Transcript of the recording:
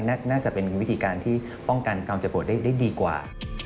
น่าจะเป็นวิธีการที่ป้องกันความเจ็บปวดได้ดีกว่า